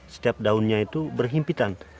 setiap daunnya itu berhimpitan